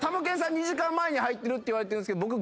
２時間前に入ってるって言われてるんですけど僕。